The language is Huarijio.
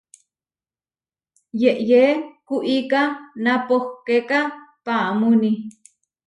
Yeʼyé kuiká napohkéka paʼámuuní.